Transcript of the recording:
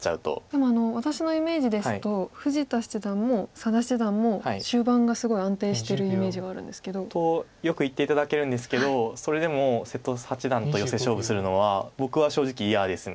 でも私のイメージですと富士田七段も佐田七段も終盤がすごい安定してるイメージはあるんですけど。とよく言って頂けるんですけどそれでも瀬戸八段とヨセ勝負するのは僕は正直嫌です。